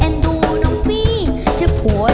มันเติบเติบ